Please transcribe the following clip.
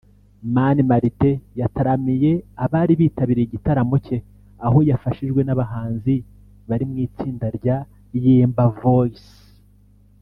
Mani Martin yataramiye abari bitabiriye igitaramo cye aho yafashijwe n’abahanzi bari mu itsinda rya ‘Yemba Voice’